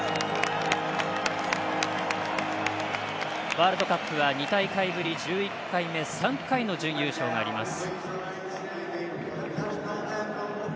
ワールドカップは２大会ぶり１１回目３回の準優勝があります。